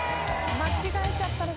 間違えちゃったら。